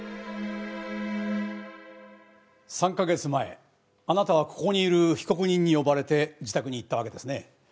３カ月前あなたはここにいる被告人に呼ばれて自宅に行ったわけですね？